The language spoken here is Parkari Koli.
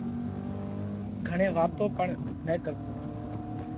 گھڻي واتون پڻ نہ ڪرتو۔